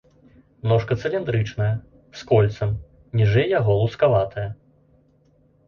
Ножка цыліндрычная, з кольцам, ніжэй яго лускаватая.